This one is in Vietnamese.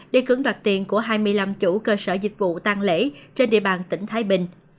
để cưỡng đoạt tiền của hai mươi năm chủ cơ sở dịch vụ tăng lễ trên địa bàn tỉnh thái bình